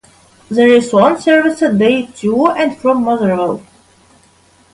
There is one service a day to and from Motherwell.